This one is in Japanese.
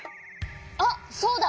あっそうだ！